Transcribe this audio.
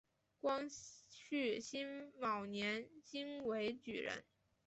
光绪辛卯年京闱举人。